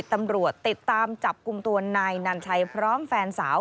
ตำรวจติดตามจับกลุ่มตัวนายนันชัยพร้อมแฟนสาว